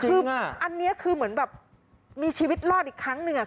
คืออันนี้คือเหมือนแบบมีชีวิตรอดอีกครั้งหนึ่ง